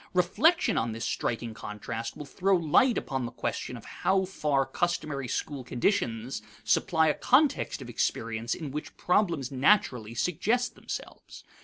Reflection on this striking contrast will throw light upon the question of how far customary school conditions supply a context of experience in which problems naturally suggest themselves.